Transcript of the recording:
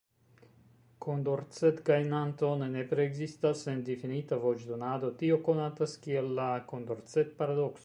Kondorcet-gajnanto ne nepre ekzistas en difinita voĉdonado, tio konatas kiel la Kondorcet-paradokso.